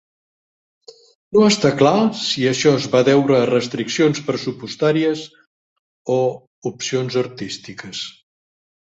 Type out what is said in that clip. No està clar si això es va deure a restriccions pressupostàries o opcions artístiques.